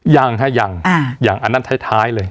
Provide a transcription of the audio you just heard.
ยังค่ะยังยังอันนั้นท้ายเลย